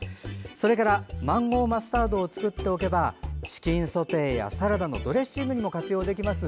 それからマンゴーマスタードを作っておけばチキンソテーやサラダのドレッシングにも活用できます。